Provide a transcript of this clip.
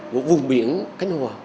của vùng biển cánh hòa